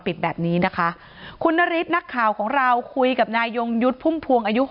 ปิดแบบนี้นะคะคุณนฤทธิ์นักข่าวของเราคุยกับนายยงยุทธ์พุ่มพวงอายุ